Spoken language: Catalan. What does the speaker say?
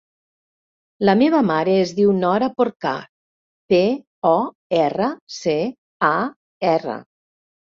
La meva mare es diu Nora Porcar: pe, o, erra, ce, a, erra.